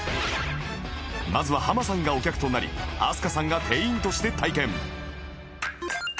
まずはハマさんがお客となり飛鳥さんが店員として体験